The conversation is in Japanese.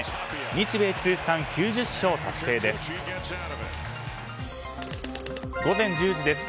日米通算９０勝達成です。